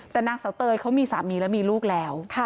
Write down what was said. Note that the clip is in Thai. แต่นางเสาเตยเขามีสามีและมีลูกแล้ว